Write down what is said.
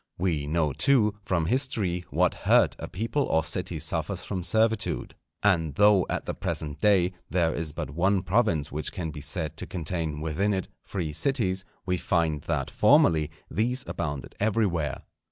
We know, too, from history, what hurt a people or city suffers from servitude. And though, at the present day, there is but one province which can be said to contain within it free cities, we find that formerly these abounded everywhere.